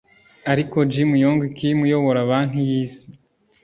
Ariko Jim Yong Kim uyobora Banki y’Isi